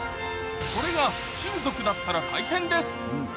それが金属だったら大変です